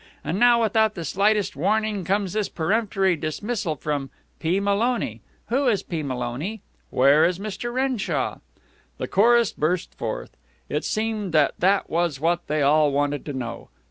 And now, without the slightest warning, comes this peremptory dismissal from P. Maloney. Who is P. Maloney? Where is Mr. Renshaw?" The chorus burst forth. It seemed that that was what they all wanted to know.